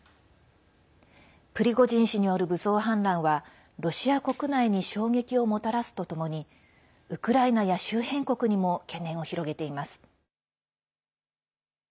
プリゴジン氏による武装反乱はロシア国内に衝撃をもたらすとともにウクライナや周辺国にも懸念を広げています。